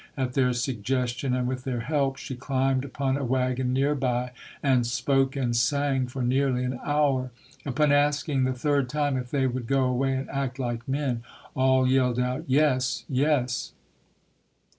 At their sug gestion and with their help, she climbed upon a wagon nearby and spoke and sang for nearly an hour. Upon asking the third time if they would go away and act like men, all yelled out, "Yes, yes!"